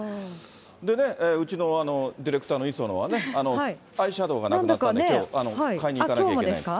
うちのディレクターの磯野はね、アイシャドーがなんだか、買いに行かなきゃいけない。